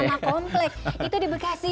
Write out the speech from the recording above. itu di bekasi bang